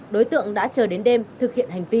đối tượng đã chờ đến đêm thực hiện hành vi